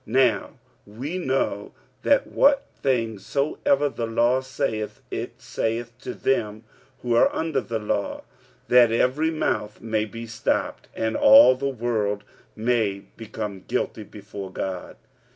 45:003:019 Now we know that what things soever the law saith, it saith to them who are under the law: that every mouth may be stopped, and all the world may become guilty before God.